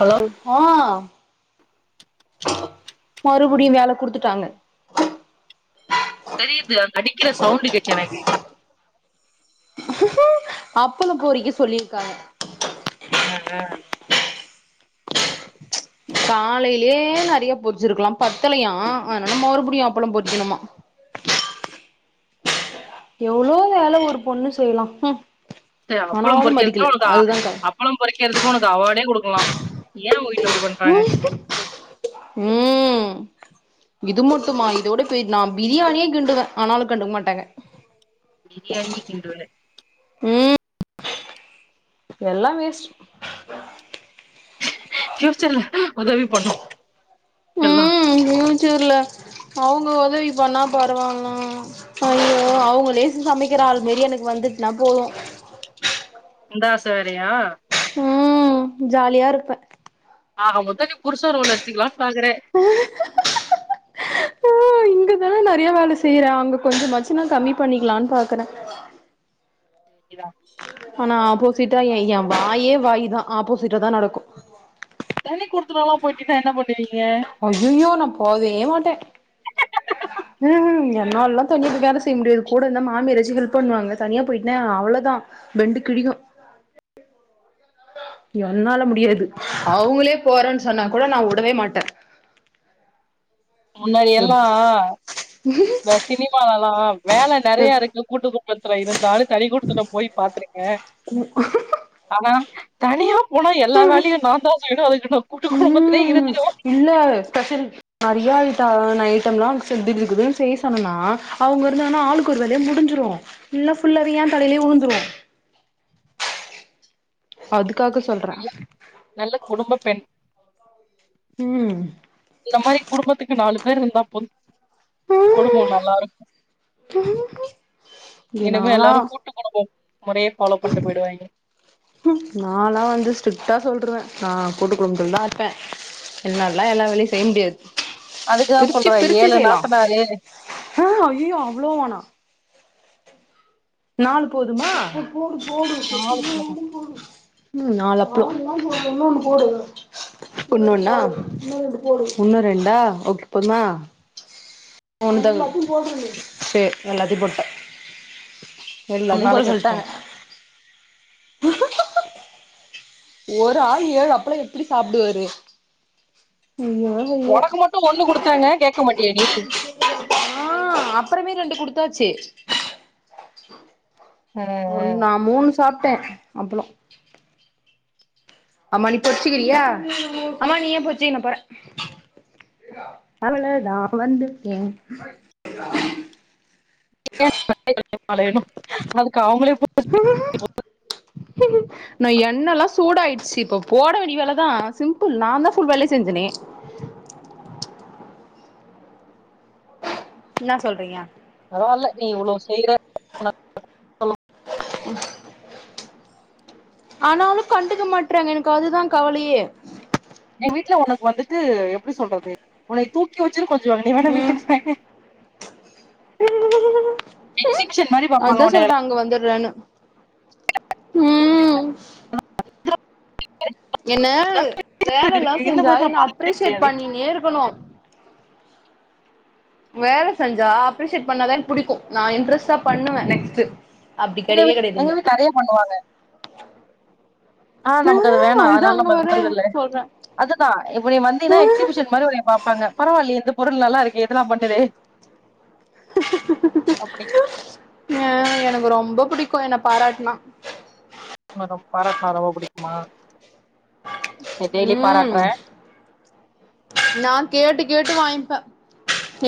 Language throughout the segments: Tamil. ஹலோ ஆ மறுபடியு வேல குடுத்துட்டாங்க தெரியுது அங்க அடிக்கிற சவுண்டு கேட்ச்சு எனக்கு அப்பள பொரிக்க சொல்லியிருக்காங்க அ ஆ காலையிலயே நெறையா பொர்ச்சுருகலா பத்தலையா அதனால மறுபுடியு அப்பளோ பொரிக்கணுமா எவ்ளோ வேல ஒரு பொண்ணு செய்யலா ம் சரி அப்பளம் ஆனாலும் பொறிக்கிறதுக்கு மதிக்கல உனக்கு அ அதுதான் க அப்பளம் பொரிக்கறதுக்கு ஒனக்கு அவார்டே கொடுக்கலா ஏ ஒ வீட்ல இப்டி பண் ம் இது மட்டுமா இதோட பெ நா பிரியாணியே கிண்டுவே ஆனாலு கண்டுக்க மாட்டாங்க பிரியாணியே கிண்டுவல ம் எல்லா வேஸ்ட் ப்ஃயூச்சர்ல உதவி பண்ணோ கெல்லா தெர்ல அவுங்க ஒதவி பண்ணா பரவால அய்யோ அவுங்க லேசு சமைக்கிற ஆள்மாரி எனக்கு வந்துட்டுனா போது அந்த ஆச வேறயா ம் ஜாலியா இருப்பே ஆக மொத்த நீ புருச ரோல எத்துக்கலானு பாக்றே ம் இருந்தாலு நறைய வேல செய்ற அங்க கொஞ்சமாச்சு நா கம்மி பண்ணிக்கலான் பாக்கற இதா ஆனா ஆப்போசிட்டா எ ஏ வாயே வாய் தா ஆப்போசிட்டா தா நடக்கு தனி குடுத்தோனலா போய்ட்டிங்னா என்ன பண்ணுவீங்க அய்யயோ நா போவே மாட்ட [unintelligible] ம் ம் என்னாலா தனியா போய் வேல செய்ய முடியாது கூட இருந்தா மாமியாராச்சு ஹெல்ப் பண்ணுவாங்க தனியா போய்ட்னா அவ்ளோதா பெண்டு கிழியு என்னால முடியாது அவுங்களே போறன் சொன்னா கூட நா உடவே மாட்ட முன்னாடி எல்லா இந்த சினிமாலலா வேல நறையா எப் இருக்கு கூட்டு குடும்பத்துல இருந்தா தனிகுடுத்தனம் போய் பாக்றே அ உ [unintelligible] ஆனா தனியா போனா எல்லா வேலையு நா தா செய்யணு அதுக்கு நா கூட்டு குடும்பத்திலயே இருந்துருவ இன்னொரு ஸ்பெஷல் நறையா ஐட்ட ஐட்டம்லா கிடு கிடுனுசெய்ய சொன்னனா அவுங்க இருந்தாங்கனா ஆளுக் கொரு வேலயா முடிஞ்சுரு இல்னா ஃபுல்லாவே ஏ தலையிலயே உழுந்துரு அதுக்காக சொல்ற நல்ல குடும்ப பெண் ம் இந்த மாரி குடும்பத்துக்கு நாலு பேரு இருந்தா போது குடுபோ நல்லா இருக் இங்க இனிமே நாலா எல்லாரு கூட்டு குடும்பம் முரைய ஃபாலோ பண்ட்டு போயிடுவாய்ங்க நல்லா வந்த ஸ்ட்ரிக்டா சொல்ருவ நா கூட்டு குடும்பத்லதா இருப்ப என்னாலா எல்லா வேலையு செய்ய முடியாது அதுக்குதா பிரிச்சு சொல்ற பிரிச்சு ஏழு செய்யலா நாத்தனாரு ஆ ஐயயோ அவ்ளோ வேணா நாலு போதுமா நாலு பேரு, ம் நாலுஅப்போ இன்னு ஒன்னா இன்னு ரெண்டா ஓகே போதுமா [unintelligible] சேரி எல்லாத்தையும் போட்ட மூணு எல்லாத்தியு போட நாளைக்கு சொல்ட்டாங்க வச்சுக்கோங்க ஒரு ஆள் ஏழு அப்பலா எப்படி சாப்டுவாரு ஐயோ ஒனக்கு மட்டு ஒண்ணு குடுத்தாங்க கேக்க மாட்டியா நீ ஆ அப்பறமே ரெண்டு குடுத்தாச்சு ஆ ஆ ஒன் நா மூணு சாப்ட்ட அப்பளோ அம்மா நீ பொரிச்சுக்கிறியா அம்மா நீ ஏ பொரிச்சிச்கே நா போற அவ்ளோதா வந்துடேன் இ [inaudible] அதுக்கு அவுங்களே பொருச் ஆ நா எண்ணல்லா சூடாயிடுச்சு இப்ப போட வேண்டி வேலதா சிம்பிள் நா தா ஃபுல் வேலயு செஞ்சனே என்னா சொல்றிங்க பரவால நீ இவ்ளோ செய்ற [inaudible] ஆனாலு கண்டுக்க மாட்றாங்க எனக்கு அதுதா கவலையே என் வீட்ல உனக்கு வந்துட்டு எப்டி சொல்றது உன்னைய தூக்கி வச்சுனு கொஞ்சு வாங்க நீ வேணா ம் வீட்டுக்கு வாயே எக்ஸிபிஷன் மாரி பாப்பாங்க அதா உன்னைய சொல்ற அங்க வந்துர்றன்னு ம் என்ன வேலல்லா இருக்கு இந்த செஞ்சா மாரி நா என்ன பாத்ததே அப்ரிசியேட் கெடையாது பண்ணினே இருக்கணு வேல செஞ்சா அப்ரிசியேட் பண்ணாதா எனக் புடிக்கு நா இன்ட்ரெஸ்ட்டா பண்ணுவ நெக்ஸ்ட்டு அப்டி கெடயவே கெடயாது எங்க இங்க வீட்ல நெறைய பண்ணுவாங்க ஆ நமக்கு அது வேணா அதுதா அதனால அங்க நம்ம அது வரே பண்றது இல்ல சொல்றே அதுதா இப்ப நீ வந்தின்னா எக்சிபிஷன் மாரி உன்னய பாப்பாங்க பரவாயில்லயே இந்த பொருள் நல்லா இருக்கு இதல்லாம் பண்ணுதே அப்படி ஆ எனக்கு ரொம்ப புடிக்கும் என்ன பாராட்னா உங்கள பாராட்னா ரொம்ப புடிக்குமா சரி டெய்லி ம் பாராட்றே நா கேட்டு கேட்டு வாய்ங்ப்ப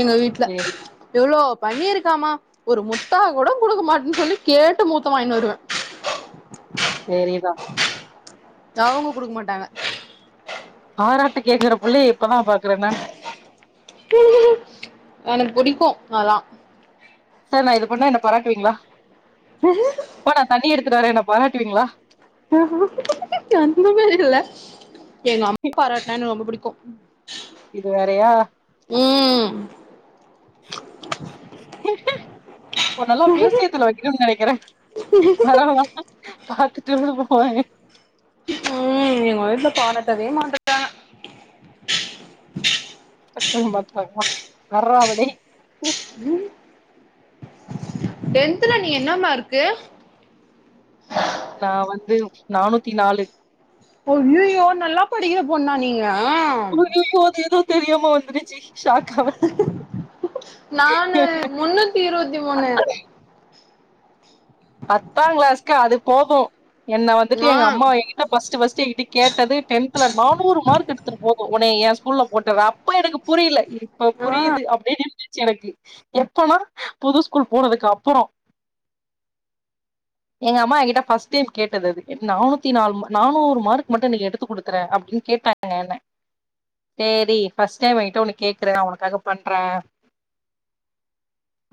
எங்க வீட்ல சரி எவ்ளோ பண்ணி இருக்காமா ஒரு முத்தா கூட குடுக்க மாட்ன்னு சொல்லி கேட்டு முத்தம் வாயின்னு வருவ சரி தா எவங்கோ குடுக்க மாட்டாங்க பாராட்டு கேக்கற புள்ளைய இப்பதா பாக்குறேங்க எனக்கு புடிக்கோ அதா சர் நா இது பண்ணா என்ன பராட்டுவீங்ளா அப்பா நா தண்ணி எடுத்துட்டு வர என்ன பாராட்டுவீங்ளா அந்த மாரி இல்ல எங்க அம்மா பாராட்னா எனக் ரொம்ப புடிக்கும் இது வேறயா ம் உன்னல்லா மியூசியத்துல வைக்கனுன் நெனைக்கிற வரவளா பாத்துட்டு ஊருக்கு போவே ம் எங்க வீட்ல பாராட்டவே மாட் [inaudible] றாங்க ஃபர்ஸ்ட் டைம் பாத்துகோங்க [unintelligible] டென்த்துல நீ என்ன மார்க்கு நா வந்து நானூத்தி நாலு ஐய்யுய்யோ நல்லா படிக்கிற பெண்ணா நீங்க ஐய்யய்யோ அது ஏதோ தெரியாம வந்திரி ஷாக் ஆவா நானு முன்னூத்தி இருவத்தி மூணு பத்தாங் கிளாஸ்க்கு அது போது என்ன வந்துட்டு எங்க ஆ அம்மா எங்கிட் ட ஃபர்ஸ்ட்டு ஃபர்ஸ்ட் என் கிட்ட கேட்டது டென்துல நானூறு மார்க் எடுத்துரு போதும் ஒன்னை என் ஸ்கூல்ல போட்றவா அப்பலா எனக்கு புரியில இப்ப புரியுது அப்டின் இருந்துச்சு எனக்கு எப்பனா புது ஸ்கூல் போனதுக்கு அப்புறோ எங்க அம்மா என் கிட்ட ஃபர்ஸ்ட் டைம் கேட்டது அது நானூத்தி நாள் நானூறு மார்க் மட்டு நீ எடுத்து குடுத்துறே அப்டின் கேட்டாங்க [inaudible] ஆன சேரி ஃபர்ஸ்ட் டைம் என் கிட்ட ஒன்னு கேக்குற நா உனக்காக பண்ற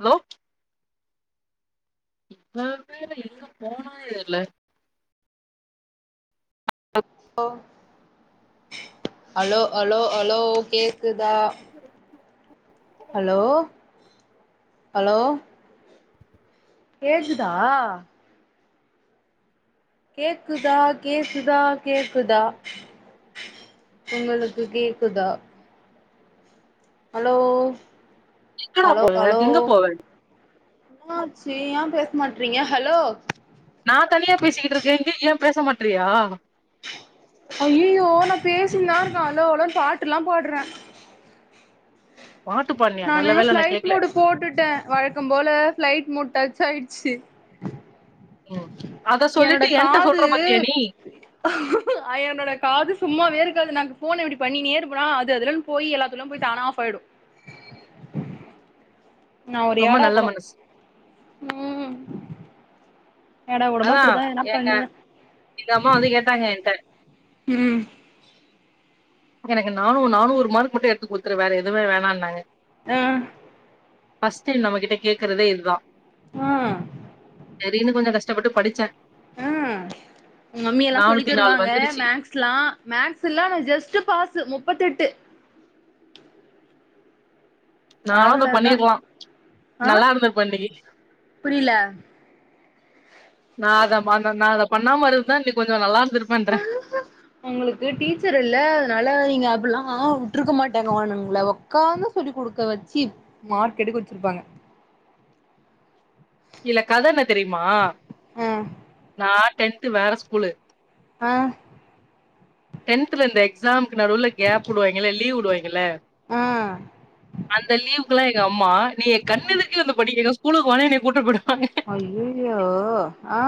லோ இவ வேற எங்க போனானே தெர்ல ஓ அலோ அலோ அலோ கேக்குதா ஹலோ ஹலோ கேக்குதா கேக்குதா கேக்குதா கேக்குதா உங்களுக்கு கேக்குதா ஹலோ எங்கடா அலோ போவ அலோ எங்க போவ என்னாச்சு ஏ பேச மாட்றிங்க ஹலோ நா தனியா பேசிக்கிட்ருக்கே இங்க ஏ பேச மாட்றியா ஐயயோ நா பேசின்தா இருக்க அலோ அலோன்னு பாட்டு எல்லா பாடுறே பாட்டு பானியா நல்ல வேல நா கேக்ல போட்டுட்ட வழக்கம் போல ஃப்ளைட் மோட் டச்சாயிடுச்சி ம் அத என்னோட சொல்லிட்டு என்ட்ட காது சொல்ற பாத்தியா நீ என்னோட காது சும்மாவே இருக்காது நா ஃபோன இப்டி பண்ணிணே இருப்பனா அது அதுலன் போயி எல்லாத்துல்ல போயி தானா ஆஃப் ஆயிடு நா ஒரு ரொம்ப ஏடா நல்ல கூடோ மனசு ம் ஏடா கூடமா இப்டிதா எதனா பண்ணுவே இந்த அம்மா வந்து கேட்டாங்க என்ட்ட ம் எனக்கு நானூ நானூறு மார்க் மட்டு எடுத்து குடுத்துரு வேற எதுமே வேணான்னாங்க ஆ ஃபஸ்ட்டே நம்ம கிட்ட கேக்கறதே இதுதா ம் செரின்னு கொஞ்ச கஷ்டப்பட்டு படிச்ச ம் உங் மம்மி எல்லா சொல்லி நானூத்தி நாலு தருவாங்க வந்துருச்சு மேக்ஸ் லா மேக்ஸ் எல்லா நா ஜஸ்ட் பாஸ் முப்பத்தெட்டு நானு அத அவ்ளோதா பண்ணிருக்கலா ஆ நல்லா இருந்துருப்ப இன்னைக்கு புரில நா அத நா அத பண்ணாம இருந்தா இன்னைக்கு கொஞ்ச நல்லா இருந்திருப்பேன்ற உங்களுக்கு டீச்சர் இல்ல அதனால நீங்க அப்படிலா உட்ருக்க மாட்டாங்க உங்ள உக்காந்து சொல்லி குடுக்க வெச்சு மார்க் எடுக்க வெச்சிருப்பாங்க இதுல கதை என்ன தெரியுமா நா டென்த்து வேற ஸ்கூலு ஆ டென்த்ல இந்த எக்ஸாம்க்கு நடுவுல கேப் உடுவாய்ங்கள லீவ் உடுவாய்ங்கள ஆ ஆ அந்த லீவுக்கெல்லா எங்கம்மா நீ எ கண்ணெதுக்க வந்து படிங்க்கனு ஸ்கூலுக்கு வானு என்னய கூட்டி போயிடுவாங்க ஐயயோ ஆ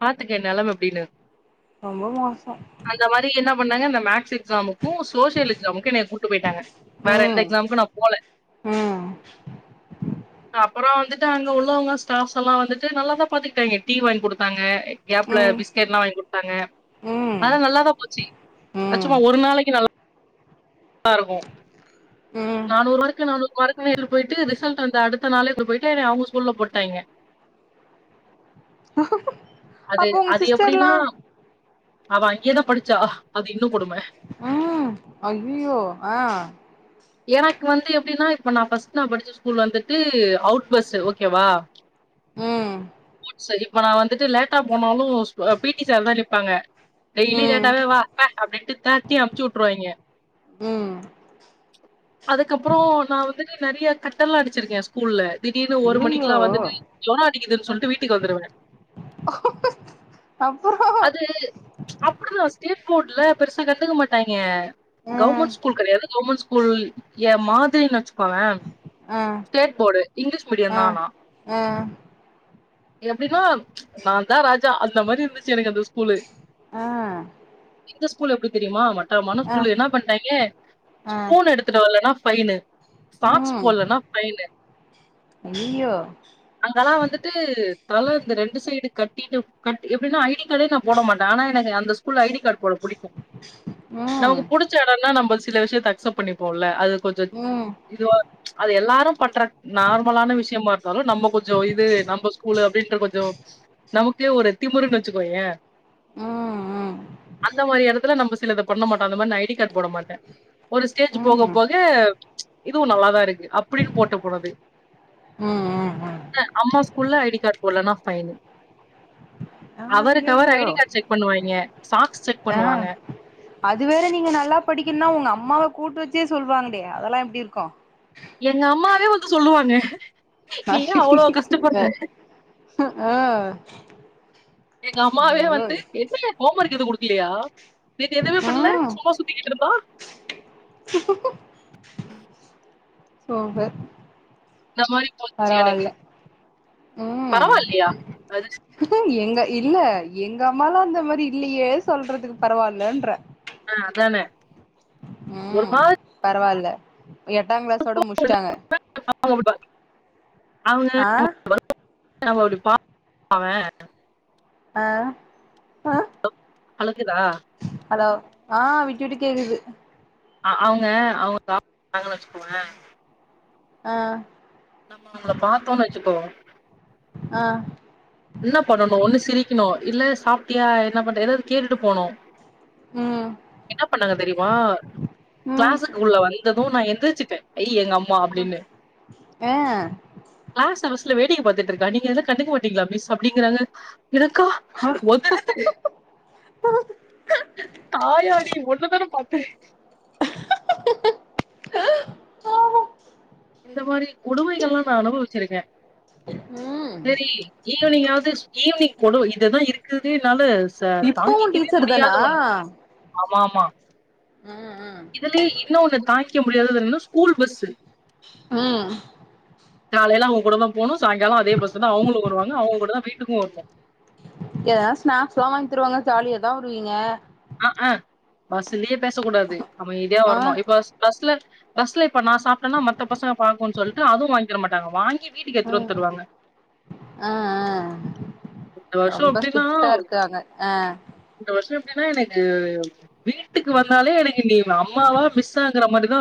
பாத்துக்க எ நெலம எப்டின்னு ரொம்ப மோச அந்த மாரி என்ன பண்ணாங்க அந்த மேக்ஸு எக்ஸாமுக்கு சோசியல் எக்ஸாமுக்கு என்னய கூப்ட்டு போயிட்டாங்க வேற எந்த ம் எக்ஸாமுக்கு நா போல ம் அப்பற வந்து ட்டு அங்க உள்ளவங்க ஸ்டாஃப்ஸ் எல்லா வந்துட்டு நல்லாதா பாத்துக்கிட்டாய்ங்க டீ வாங்கி குடுத்தாங்க கேப்ல ம் பிஸ்கட்லா வாங்கி குடுத்தாங்க ம் அதெல்லா நல்லாதா போச்சு அது ம் சும்மா ஒரு நாளைக்கு நல்லா [unintelligible] இருக்கு ம் நானூறு மார்க்கு நானூறு மார்க்கு மேல் போய்ட்டு ரிசல்ட் வந்து அடு த்த நாளே ஸ்கூலுக் போயிட்டு என்ன அவங்க ஸ்கூல்ல போட்டாய்ங்க அது அப்போ உங்க அது சிஸ்டர்லா எப்டின்னா அவ அங்கேயேதா படிச்சா அது இன்னு கொடும உம் ஐயையோ அ எனக்கு வந்து எப்டின்னா இப்ப நா பர்ஸ்ட் நா படிச்ச ஸ்கூல் வந்துட்டு அவுட் பஸ்ஸு ஓகேவா உம் இப்ப நா வந்துட்டு லேட்டா போனாலு சுஅப் பிடி சார் தா நிப்பாங்க டெய்லி ம் லேட்டாவே வா பே அப்டின்ட்டு தட்டி அனும்ச்சு உட்டுருவாயங்க ம் அதுக்கப்ரோ நா வந்துட்டு நறைய கட்டெல்லா அடிச்சிருக்கே ஸ்கூல்ல திடீர்னு ஒரு ஐய்யய்யோ மணிக்கிலா வந்துட்டு ஜோரோ அடிக்குதுன்னு சொல்லிட்டு வீட்டுக்கு வந்துருவ அப்புரோ அது அப்டிதா ஸ்டேட் போர்டுல பெருசா கண்டுக்க மாட்டாய்ங்க ம் கவர்மெண்ட் ஸ்கூல் கெடையாது கவர்மெண்ட் புல் ஏ மாதிரி நெனச்சுக்கோங்வ ஆ ஸ்டேட் போர்டு இங்கிலீஷ் ஆ ஆ மீடியனா நா எப்டின்னா நா தா ராஜா அந்த மாறி இருந்துச்சி எனக்கு அந்த ஸ்கூலு ஆ எங்க ஸ்கூல் எப்டி தெரியுமா மட்டமான ஸ்கூலு என்ன பண்டாய்ங்க அ [unintelligible] எடுத்துட்டு வரலன்னா பைனு சாக்ஸ் ம் போலன்னா பைனு ஐய்யய்யோ அங்கல்லா வந்துட்டு தல இந்த ரெண்டு சைடு கட்டிட்டு கட் எப்டின்னா ஐடி கார்டே நா போட மாட்டே ஆனா எனக்கு அந்த புல் ஐடி கார்டு போட புடி ம் நமக்கு புடிச்ச எடம்னா நம்ம சில விஷயத்த அக்சப்ட் பண்ணிப்போம்ல அது கொஞ்ச ம் இதுவா அது எல்லாரு பண்ற நார்மலான விஷயமா இருந்தாலு நம்ம கொஞ்சோ இது நம்ம ஸ்கூல் அப்டின்ற கொஞ்சோ நமக்கே ஒரு திமுறுன்னு வச்சுக்கோய ம் ம் அந்த மாதிரி எடத்துல நம்ம சிலத பண்ண மாட்டோ அந்த மாறி நா ஐடி கார்டு போட மாட்ட ஒரு ஸ்டேஜ் போக ம் போக இதுவு நல்லாதா இருக்கு அப்டின்னு போட்டு போனது உம் அம்மா ஸ்கூல்ல ஐடி கார்டு போடலனா பைனு ஆ அவருக்கு அவர் ஐயையோ ஐடி கார்டு செக் பண்ணுவாங்கிய சாக்ஸ் செக் ஆ பண்ணுவாங்க அதுவேற நீங்க நல்லா படிக்கன்னா உங்க அம்மாவ கூட்டு வச்சே சொல்வாங்டே அதெல்லா எப்டி இருக்கு எங்க அம்மாவே வந்து சொல்லுவாங்க அ நீ ஏ அவ்ளோ கஷ்டப்பட்ற ஆ எங்க அம்மாவே ஐயோ வந்து என்ன ஹோம் ஒர்க் எதுவு குடுக்கலையா நேத்து எதுவுமே பண்ணல ம் சும்மா சுத்திகிட்டு இருந்தா சூப்பர் இந்த மாரி போச்சு எனக்கு பரவாயில்ல ம் பரவால்லையா அது எங்க இல்ல எங்க அம்மாலா இந்த மாரி இல்லயே சொல்றதுக்கு பரவாயிலன்ற ஆ அதான ம் பரவாயில்ல எட்டா கிளாஸோட முடிச்டாங்க [inaudible] அவங்க ஆ [inaudible] போவ அ ஆ அலோக்குதா அலோ ஆ விட்டு விட்டு கேக்குது ஆ அவுங்க அவுங்க கா [unintelligible] வச்சுக்கோங்க அ நம்ம அவங்கள பாத்தோம்ன் வச்சுக்கோங்கள அ என்ன பண்ணணும் ஒண்ணு சிரிக்கணும் இல்ல சாப்ட்டியா என்ன பண்ற ஏதாது கேட்டுட்டு போனோம் ம் என்ன பண்ணாங்க தெரிய்மா ம் கிளாஸக்குள்ள வந்ததும் நா எந்திரிச்சுட்டேன் அய் எங்க அம்மா அப்படின்னு அ கிளாஸ் அவரஸ்ல வேடிக்க பாத்துட்டு இருக்கா நீங்க ஏத கண்டுக்க மாட்டீங்ளா மிஸ் அப்படிங்கிறாங்க எனக்கா ஒதரது தாயாடி ஒன்னுதான பாத்தேன் அ இந்த மாரி கொடுமைகள்ல்லாம் நா அனுபவிச்சிருக்கேன் ம் சேரி ஈவினிங்காது ஈவினிங் கொடு இததான் இருக்கர்துலே என்னால ச இப்பவு தாங்கிக்கவே டீச்சர் முடியாத தானா ஒண்ணு ஆமா ஆமா ம் ம் இதுலயே இன்னும் ஒண்ணு தாக்கிக்க முடியாததுனன்னா ஸ்கூல் பஸ்சு அ காலேல அவ்ங் கூட தான் போனும் சாய்ங்காலம் அதே பஸ்சுதான் அவ்ங்களும் வருவாங்க அவ்ங்க கூட தான் வீட்டுக்கும் வர்னும் எத ஸ்நாக்ஸ் எல்லாம் வாங்தருவாங்க ஜாலிய தான் வருவீங்க அக் அ பஸ்லயே பேசக் கூடாது அமைதியா ஆ வரணும் பஸ்ல பஸ்ல இப்ப நா சாப்ட்டன்னா மத்த பசங்க பாக்கும் சொல்ட்டு அதுவு வாங்கி தர மாட்டாங்க வாங்கி வீட்டுக்கு எட்த்துனு வந்து தருவாங்க அ அ இந்த வர்ஷோ அப்டின்னா இருக்காங்க ஆ இந்த வர்ஷோனாலே எனக்கு வீட்டுக்கு வந்தாலே எனக்கு நீ அம்மாவா மிஸ் ஆங்கற மாதிரிதான் இரு